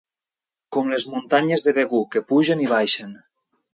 Com les muntanyes de Begur, que pugen i baixen.